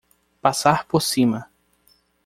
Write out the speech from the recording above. Passar por cima